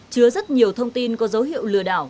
chứa rất nhiều thông tin có dấu hiệu lừa đảo